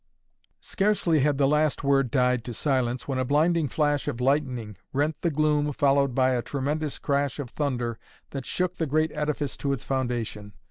Scarcely had the last word died to silence when a blinding flash of lightning rent the gloom followed by a tremendous crash of thunder that shook the great edifice to its foundation.